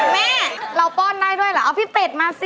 แม่เราป้อนได้ด้วยเหรอเอาพี่เป็ดมาสิ